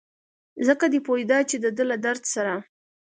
ځکه دی پوهېده چې دده له درد سره.